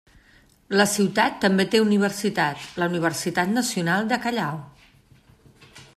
La ciutat també té una universitat, la Universitat Nacional de Callao.